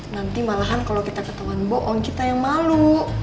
nanti malahan kalo kita ketemuan bohong kita yang malu